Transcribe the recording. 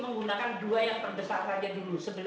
menggunakan dua yang terbesar saja dulu